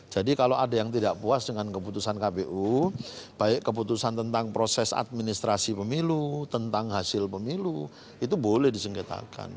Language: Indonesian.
jadi kalau ada yang tidak puas dengan keputusan kpu baik keputusan tentang proses administrasi pemilu tentang hasil pemilu itu boleh disengketakan